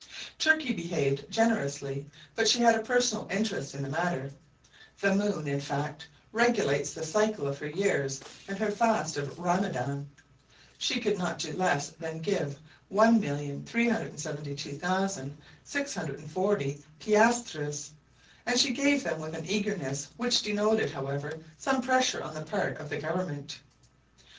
Turkey behaved generously; but she had a personal interest in the matter. The moon, in fact, regulates the cycle of her years and her fast of Ramadan. She could not do less than give 1,372,640 piastres; and she gave them with an eagerness which denoted, however, some pressure on the part of the government.